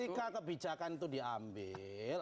ketika kebijakan itu diambil